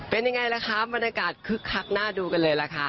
เป็นยังไงล่ะคะบรรยากาศคึกคักน่าดูกันเลยล่ะค่ะ